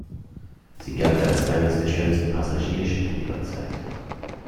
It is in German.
Sie galt als eines der schönsten Passagierschiffe ihrer Zeit.